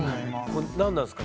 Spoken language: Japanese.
何なんですか？